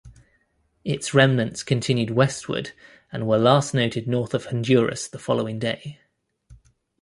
Its remnants continued westward and were last noted north of Honduras the following day.